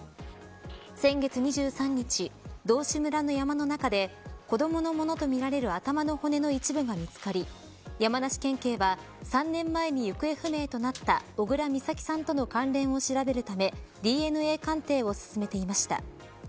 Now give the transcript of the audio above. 先月２３日道志村の山の中で子どものものとみられる頭の骨の一部が見つかり山梨県警は３年前に行方不明となった小倉美咲さんとの関連を調べるためＤＮＡ鑑定を進めていました。